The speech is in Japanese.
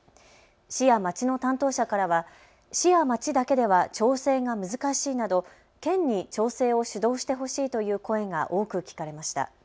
市や町の担当者からは市や町だけでは調整が難しいなど県に調整を主導してほしいという声が多く聞かれました。